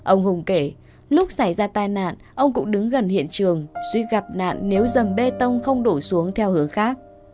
ông hùng kể lúc xảy ra tai nạn ông cũng đứng gần hiện trường duy gặp nạn nếu dầm bê tông không đổ xuống theo hướng khác